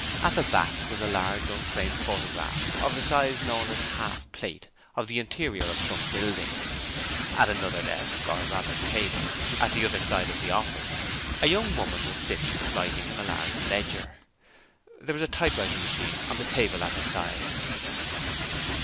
At the back was a large unframed photograph of the size known as half plate of the interior of some building. At another desk, or rather table, at the other side of the office, a young woman was sitting writing in a large ledger. There was a typewriting machine on the table at her side.